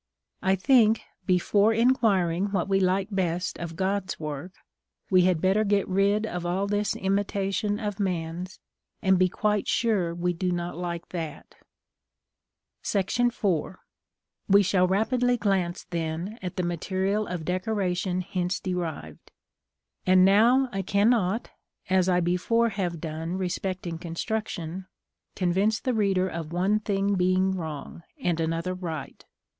I think, before inquiring what we like best of God's work, we had better get rid of all this imitation of man's, and be quite sure we do not like that. § IV. We shall rapidly glance, then, at the material of decoration hence derived. And now I cannot, as I before have done respecting construction, convince the reader of one thing being wrong, and another right.